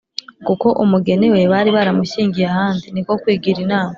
kuko umugeni we bari baramushyingiye ahandi. ni ko kwigira inama